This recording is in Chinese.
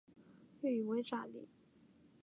粤语为炸厘。